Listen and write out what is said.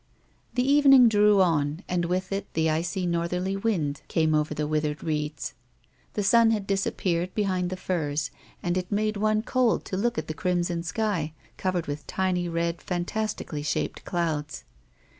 The evening drew on, and with it the icy, northerly wind came over the withered reeds. The sun had disappeared behind the firs, and it made one cold only to look at the crimson sky, covered with tiny, red, fantastically shaped clouds.